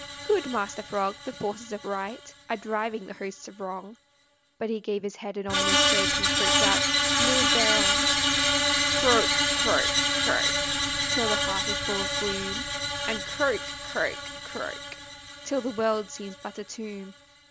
"Good Master Frog, the forces of right Are driving the hosts of wrong." But he gave his head an ominous shake, And croaked out, "Nous verrons!" Croak, croak, croak, Till the heart is full of gloom, And croak, croak, croak, Till the world seems but a tomb.